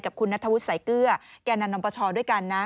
กับคุณณฑวุฒิสายเกลือแก่นานนมประชาด้วยกันนะ